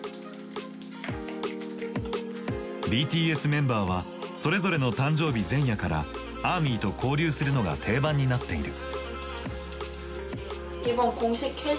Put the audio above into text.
ＢＴＳメンバーはそれぞれの誕生日前夜からアーミーと交流するのが定番になっている。